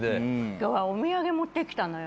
今日はお土産持ってきたのよ。